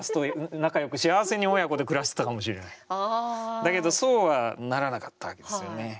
だけどそうはならなかったわけですよね。